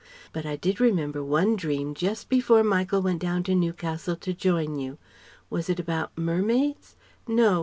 But I did remember one dream just before Michael went down to Newcastle to join you ... was it about mermaids? No.